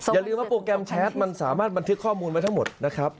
อย่าลืมว่าโปรแกรมแชทมันสามารถบันทึกข้อมูลไว้ทั้งหมดนะครับ